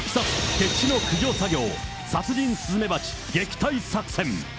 決死の駆除作業、殺人スズメバチ撃退作戦。